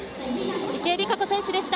池江璃花子選手でした。